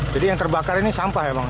jadi yang terbakar ini sampah ya bang